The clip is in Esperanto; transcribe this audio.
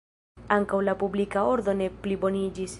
Ankaŭ la publika ordo ne pliboniĝis.